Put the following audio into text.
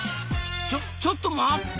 ちょちょっと待った！